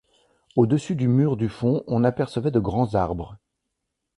Au-dessus du mur du fond on apercevait de grands arbres.